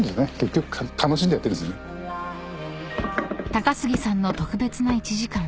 ［高杉さんの特別な一時間］